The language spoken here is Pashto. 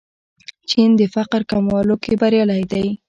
چین د فقر کمولو کې بریالی دی.